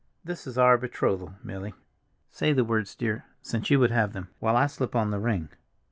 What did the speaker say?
This is our betrothal, Milly. Say the words, dear, since you would have them, while I slip on the ring."